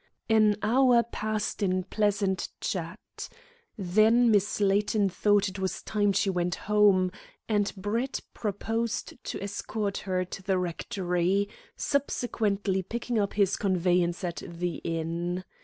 An hour passed in pleasant chat. Then Miss Layton thought it was time she went home, and Brett proposed to escort her to the Rectory, subsequently picking up his conveyance at the inn.